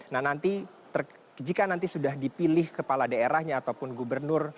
nah nanti jika nanti sudah dipilih kepala daerahnya ataupun gubernur